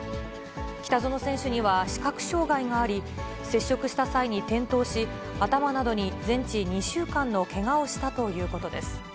北薗選手には視覚障がいがあり、接触した際に転倒し、頭などに全治２週間のけがをしたということです。